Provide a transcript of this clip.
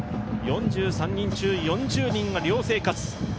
４３人中４０人が寮生活。